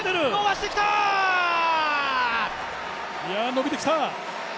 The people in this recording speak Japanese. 伸びてきた。